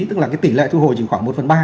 tức là cái tỷ lệ thu hồi chỉ khoảng một phần ba